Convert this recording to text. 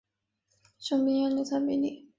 圣皮耶尔莱比特里。